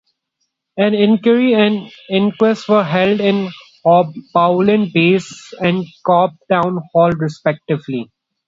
An inquiry and inquest were held in Haulbowline Base and Cobh Town Hall respectively.